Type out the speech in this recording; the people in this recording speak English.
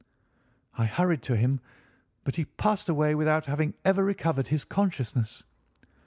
I hurried to him, but he passed away without having ever recovered his consciousness.